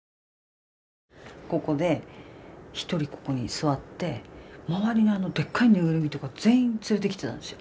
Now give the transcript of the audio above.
ここで１人ここに座って周りにでっかい縫いぐるみとか全員連れてきてたんですよ。